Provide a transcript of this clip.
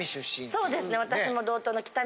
そうですね私も。